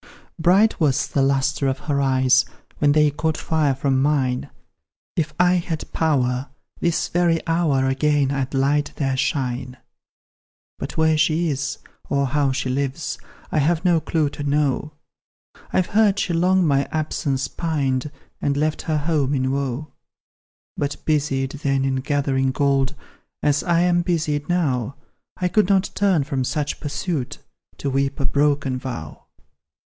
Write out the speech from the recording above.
Bright was the lustre of her eyes, When they caught fire from mine; If I had power this very hour, Again I'd light their shine. "But where she is, or how she lives, I have no clue to know; I've heard she long my absence pined, And left her home in woe. But busied, then, in gathering gold, As I am busied now, I could not turn from such pursuit, To weep a broken vow.